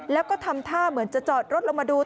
แล้วก็ทำท่าเหมือนจะจอดรถลงมาดู